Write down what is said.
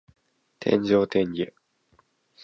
天上天下